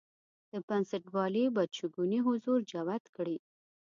د بنسټپالنې بدشګونی حضور جوت کړي.